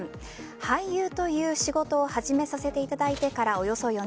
俳優という仕事を始めさせていただいてからおよそ４年。